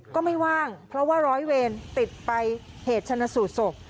ก็ไม่ว่างเพราะว่าร้อยเวรติดไปเหตุชนสูตรศพ